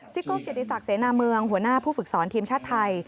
โก้เกียรติศักดิเสนาเมืองหัวหน้าผู้ฝึกสอนทีมชาติไทย